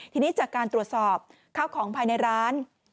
ทีนี้จากการตรวจสอบข้าวของภายในร้าน